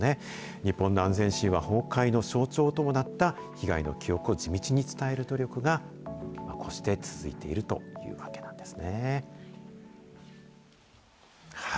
日本の安全神話崩壊の象徴ともなった被害の記憶を地道に伝える努力が、こうして続いているというわけなんですね。